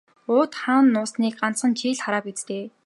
Уут хаана нуусныг ганцхан чи л хараа биз дээ.